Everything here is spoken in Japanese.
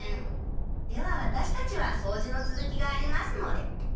ではワタシたちはそうじのつづきがありますので。